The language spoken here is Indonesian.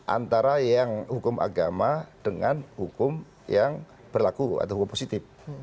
antara yang hukum agama dengan hukum yang berlaku atau hukum positif